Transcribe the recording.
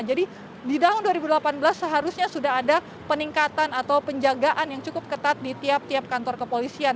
jadi di tahun dua ribu delapan belas seharusnya sudah ada peningkatan atau penjagaan yang cukup ketat di tiap tiap kantor kepolisian